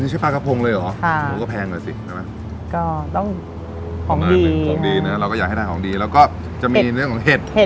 อ๋อนี่ใช่ปลากระพรุงเลยหรอค่ะก็แพงก่อนสิใช่ไหมก็ต้องของดีของดีนะเราก็อยากให้ได้ของดีแล้วก็จะมีเนื้อของเห็ด